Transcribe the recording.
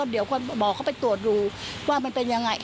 เดี๋ยวหมอเขาไปตรวจดูว่ามันเป็นยังไง